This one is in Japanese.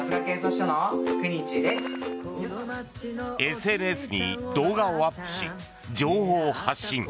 ＳＮＳに動画をアップし情報を発信。